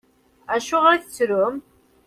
Acuɣeṛ i tettrum?